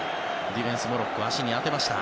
ディフェンスモロッコ、足に当てました。